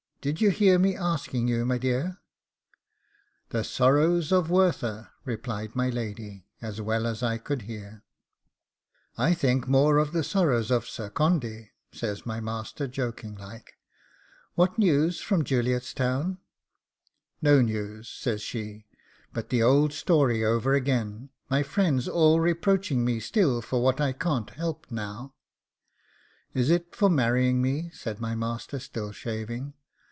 Did you hear me asking you, my dear?' 'THE SORROWS OF WERTHER,' replies my lady, as well as I could hear. 'I think more of the sorrows of Sir Condy,' says my master, joking like. 'What news from Mount Juliet's Town?' 'No news,' says she, 'but the old story over again; my friends all reproaching me still for what I can't help now.' 'Is it for marrying me?' said my master, still shaving.